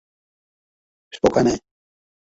Spokane.